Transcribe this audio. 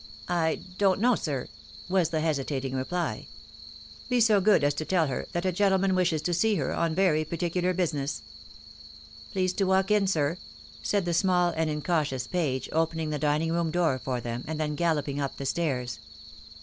"" I don't know, sir," was the hesitating reply. " Be so good as to teU her that a gentleman wishes to see her on very particular business." " Please to walk in, sir," said the small and incautious page, opening the dining room door for them, and then galloping up the stairs.